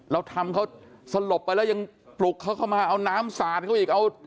เราทำเขาสลบไปแล้วยังปลุกเขาเข้ามาเอาน้ำสาดเขาอีกเอา